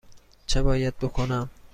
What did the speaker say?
چه باید بکنم؟